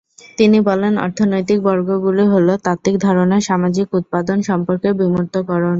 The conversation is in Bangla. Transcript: তিনি বলেন অর্থনৈতিক বর্গগুলি হলো তাত্ত্বিক ধারণা, সামাজিক উৎপাদন সম্পর্কের বিমূর্তকরণ।